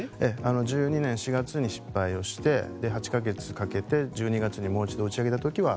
２０１２年４月に失敗をして８か月かけて１２月にもう一度打ち上げた時は